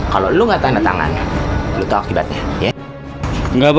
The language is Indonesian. kalau lo gak tanda tangan lo tahu akibatnya ya